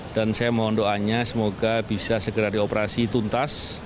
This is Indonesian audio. dan saya mohon doanya semoga bisa segera dioperasi tuntas